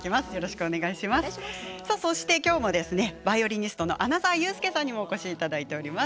きょうもバイオリニストの穴澤雄介さんにもお越しいただいています。